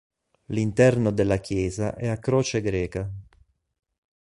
L'interno della chiesa è a croce greca.